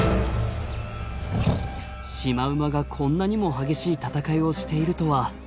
シマウマがこんなにも激しい戦いをしているとは。